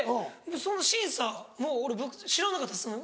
その審査も俺知らなかったです。